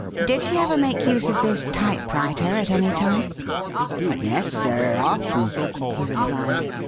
Did she ever make use of this typewriter at any time?" "Yes, sir often," he replied.